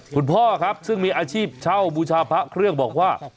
คุณพ่อครับซึ่งมีอาชีพเช่าบูชาพระเครื่องบอกว่า